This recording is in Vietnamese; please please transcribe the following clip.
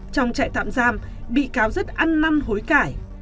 trong trại tạm giam bị cáo rất ăn năn hối cải